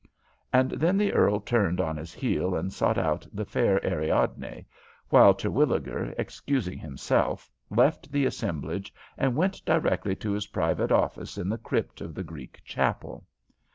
And then the earl turned on his heel and sought out the fair Ariadne, while Terwilliger, excusing himself, left the assemblage, and went directly to his private office in the crypt of the Greek chapel.